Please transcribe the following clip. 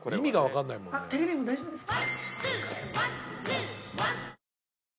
テレビも大丈夫ですか？